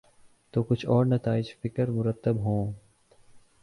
تو کچھ اور نتائج فکر مرتب ہوں۔